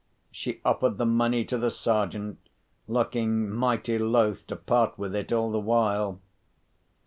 She offered the money to the Sergeant, looking mighty loth to part with it all the while.